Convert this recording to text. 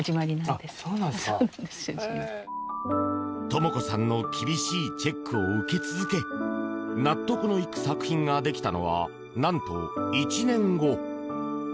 朝子さんの厳しいチェックを受け続け納得のいく作品ができたのは何と１年後。